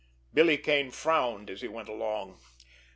Billy Kane frowned, as he went along.